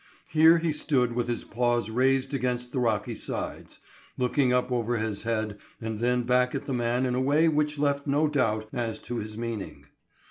Here he stood with his paws raised against the rocky sides, looking up over his head and then back at the man in a way which left no doubt as to his meaning.